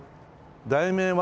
題名は？